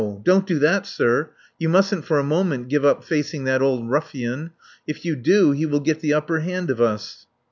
Don't do that, sir. You mustn't for a moment give up facing that old ruffian. If you do he will get the upper hand of us."